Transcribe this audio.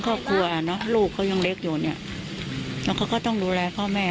แล้วเขาก็ต้องดูแลพ่อแม่